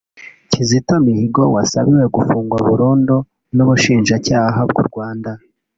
Kizito Mihigo wasabiwe gufungwa burundu n’Ubushinjacyaha bw’u Rwanda